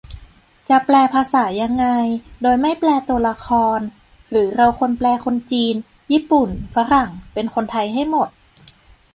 จะแปลภาษายังไง โดยไม่แปลตัวละคร - หรือเราควรแปลคนจีน ญี่ปุ่น ฝรั่ง เป็นคนไทยให้หมด ?